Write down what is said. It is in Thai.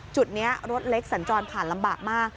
จุดนี้รถเล็กสัญจรผ่านลำบากมาก